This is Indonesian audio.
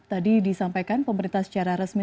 tadi disampaikan pemerintah secara resmi